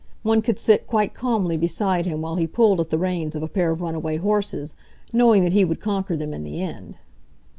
One could sit quite calmly beside him while he pulled at the reins of a pair of runaway horses, knowing that he would conquer them in the end.